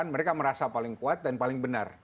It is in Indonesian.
mereka merasa paling kuat dan paling benar